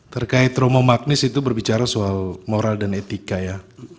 terkait trauma magnis itu berbicara soal moral dan etika ya